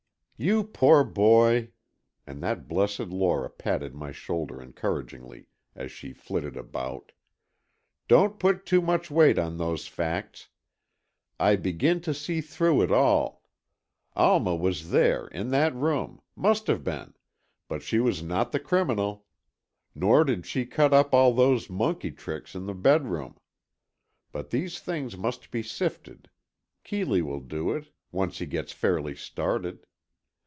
"You poor boy," and that blessed Lora patted my shoulder encouragingly, as she flitted about, "don't put too much weight on those facts. I begin to see through it all. Alma was there, in that room—must have been—but she was not the criminal. Nor did she cut up all those monkey tricks in the bedroom. But these things must be sifted. Keeley will do it, once he gets fairly started.